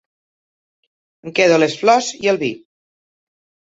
Em quedo les flors i el vi.